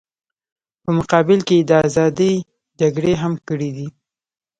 په مقابل کې یې د ازادۍ جګړې هم کړې دي.